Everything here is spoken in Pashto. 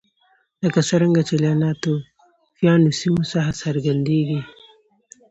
لکه څرنګه چې له ناتوفیانو سیمو څخه څرګندېږي